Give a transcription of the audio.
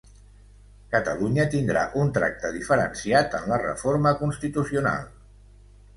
Catalunya tindrà un tracte diferenciat en la reforma constitucional